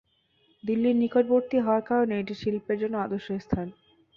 দিল্লির নিকটবর্তী হওয়ার কারণে এটি শিল্পের জন্য আদর্শ স্থান।